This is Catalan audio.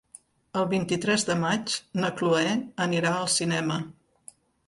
El vint-i-tres de maig na Cloè anirà al cinema.